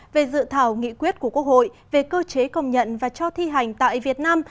về dự thảo nghị quyết của quốc hội về cơ chế công nhận và cho thi hành tại việt nam